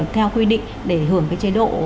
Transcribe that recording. theo quy định để hưởng cái chế độ